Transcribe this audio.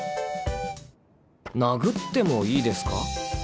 殴ってもいいですか？